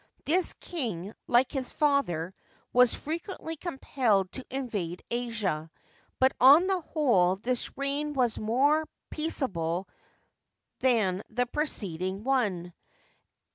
This king, like his father, was frequently compelled to invade Asia, but on the whole this reim was more peaceable than the preceding one.